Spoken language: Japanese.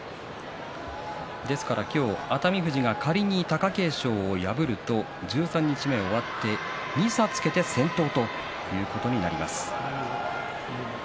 今日、熱海富士が仮に貴景勝を破ると十三日目、終わって２差をつけて先頭ということになります。